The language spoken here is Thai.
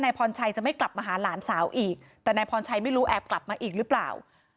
พรชัยจะไม่กลับมาหาหลานสาวอีกแต่นายพรชัยไม่รู้แอบกลับมาอีกหรือเปล่า